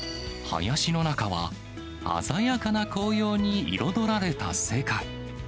林の中は、鮮やかな紅葉に彩られた世界。